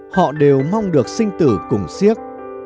họ đều mong được sinh tử cùng siếc